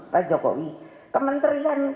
pak jokowi kementerian